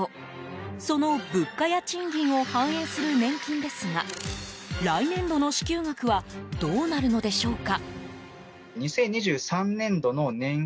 その物価や賃金を反映する年金ですが来年度の支給額はどうなるのでしょうか。